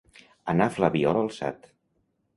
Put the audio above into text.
Anar flabiol alçat.